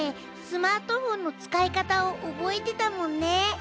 スマートフォンのつかい方をおぼえてたもんね。